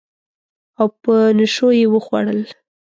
او په نشو یې وخوړل